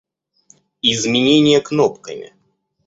Изменение кнопками